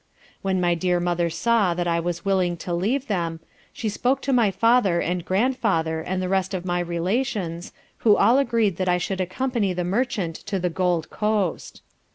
When my dear mother saw that I was willing to leave them, she spoke to my father and grandfather and the rest of my relations, who all agreed that I should accompany the merchant to the Gold Coast.